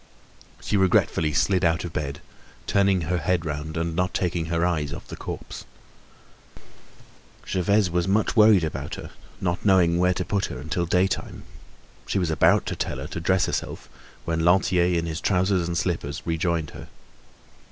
She regretfully slid out of bed, turning her head round and not taking her eyes off the corpse. Gervaise was much worried about her, not knowing where to put her till day time. She was about to tell her to dress herself, when Lantier, in his trousers and slippers, rejoined her.